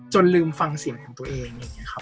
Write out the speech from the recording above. จนลืมฟังเสียงของตัวเอง